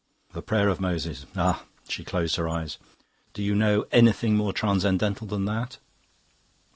"The prayer of Moses" ah!' She closed her eyes. 'Do you know anything more transcendental than that?